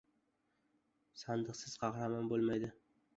• Chandiqsiz qahramon bo‘lmaydi.